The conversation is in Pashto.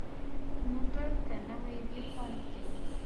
موټر که نوي وي، خوند کوي.